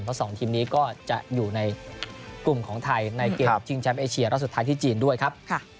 เพราะ๒ทีมนี้ก็จะอยู่ในกลุ่มของไทยในเกมชิงแชมป์เอเชียรอบสุดท้ายที่จีนด้วยครับ